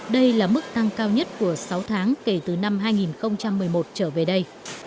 đây là mức tăng cao nhất của sáu tháng kể từ năm hai nghìn một mươi một trở về đây